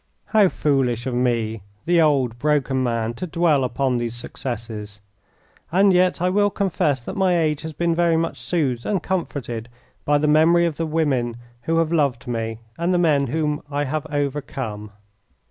How foolish of me, the old, broken man, to dwell upon these successes, and yet I will confess that my age has been very much soothed and comforted by the memory of the women who have loved me and the men whom I have overcome.